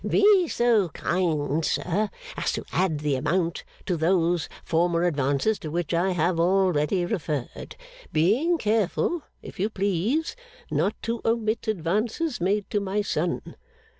'Be so kind, sir, as to add the amount to those former advances to which I have already referred; being careful, if you please, not to omit advances made to my son.